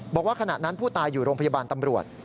บอกว่าขณะนั้นผู้ตายอยู่โรงพยาบาลตำรวจ